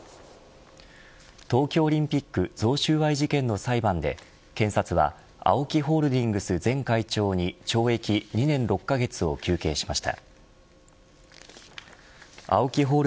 東京オリンピック贈収賄事件の裁判で検察はＡＯＫＩホールディングス前会長に懲役２年６カ月を求刑しました。